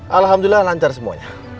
alhamdulillah lancar semuanya